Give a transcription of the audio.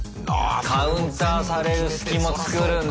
カウンターされる隙も作るんだ！